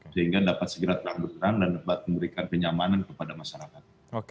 sehingga dapat segera terang benerang dan dapat memberikan kenyamanan kepada masyarakat